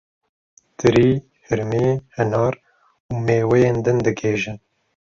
Tirî, hirmî, hinar û mêweyên din digihêjin.